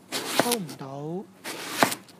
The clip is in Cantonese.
收唔到